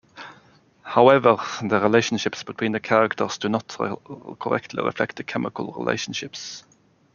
However, the relationships between the characters do not correctly reflect the chemical relationships.